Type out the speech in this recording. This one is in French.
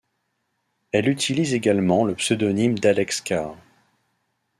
Elle utilise également le pseudonyme d'Alex Car.